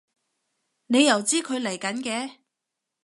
你又知佢嚟緊嘅？